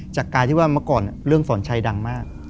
กายที่ว่าเมื่อก่อนเรื่องสอนชัยดังมาก